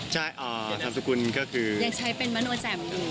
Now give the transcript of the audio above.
ใช้นามจักรคุณก็คือยังใช้เป็นมโนแจมหนู